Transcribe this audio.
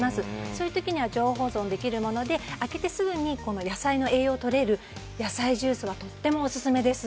そういう時には常温保存できるもので開けてすぐに野菜の栄養をとれる野菜ジュースはとてもオススメです。